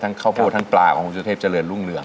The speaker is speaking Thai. ข้าวโพดทั้งปลาของคุณสุเทพเจริญรุ่งเรือง